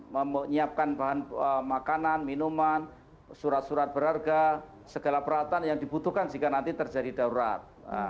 menyiapkan bahan makanan minuman surat surat berharga segala peralatan yang dibutuhkan jika nanti terjadi darurat